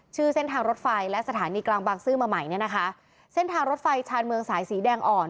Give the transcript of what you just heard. เส้นทางรถไฟและสถานีกลางบางซื่อมาใหม่เนี่ยนะคะเส้นทางรถไฟชาญเมืองสายสีแดงอ่อน